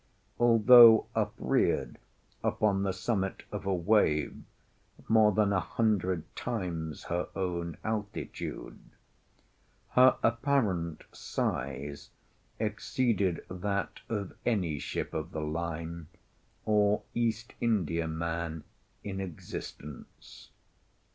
Although upreared upon the summit of a wave more than a hundred times her own altitude, her apparent size exceeded that of any ship of the line or East Indiaman in existence.